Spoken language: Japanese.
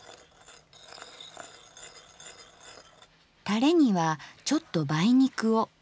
タレにはちょっと梅肉を。